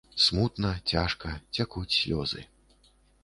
Смутна, цяжка, цякуць слёзы.